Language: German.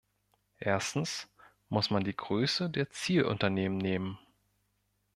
Erstens muss man die Größe der Zielunternehmen nehmen.